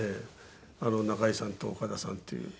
中井さんと岡田さんっていう。